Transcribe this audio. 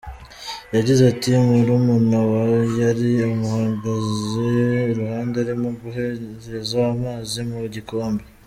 Yagize ati “ Murumuna we yari amuhagaze iruhande arimo kumuhereza amazi mu gikombe.